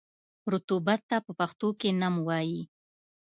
رطوبت ته په پښتو نم وايي.